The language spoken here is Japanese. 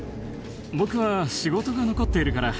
僕は仕事が残っているから。